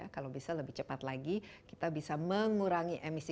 kalau bisa lebih cepat lagi kita bisa mengurangi emisi